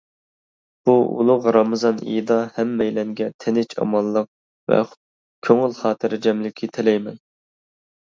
بۇ ئۇلۇغ رامىزان ئېيىدا ھەممەيلەنگە تىنچ ئامانلىق ۋە كۆڭۈل خاتىرجەملىكى تىلەيمەن.